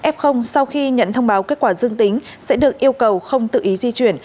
f sau khi nhận thông báo kết quả dương tính sẽ được yêu cầu không tự ý di chuyển